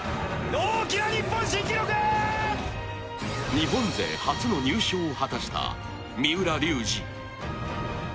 日本勢初の入賞を果たした三浦龍司。